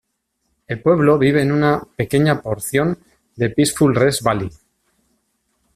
El pueblo vive en una pequeña porción de Peaceful Rest Valley.